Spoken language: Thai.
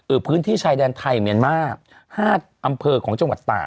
พื้นที่ชายแดนไทยเมียนมาร์ห้าอำเภอของจังหวัดตาก